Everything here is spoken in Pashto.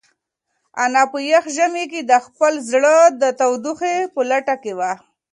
انا په یخ ژمي کې د خپل زړه د تودوخې په لټه کې وه.